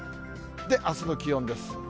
あすの気温です。